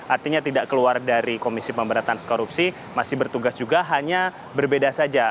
artinya tidak keluar dari komisi pemberantasan korupsi masih bertugas juga hanya berbeda saja